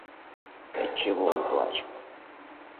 — Отчего он плачет?